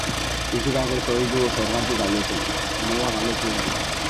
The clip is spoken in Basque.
Fisikak ez ohi du zergatik galdetzen, nola galdetu ohi du.